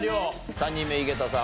３人目井桁さん